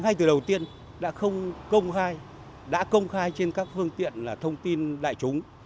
ngay từ đầu tiên đã không công khai đã công khai trên các phương tiện là thông tin đại chúng